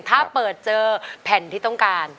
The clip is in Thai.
ถ้าเปิดเจอแผ่นที่ต้องการ